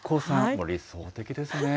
もう理想的ですね。